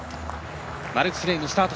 マルクス・レームスタート